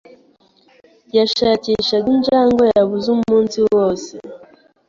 Yashakishaga injangwe yabuze umunsi wose.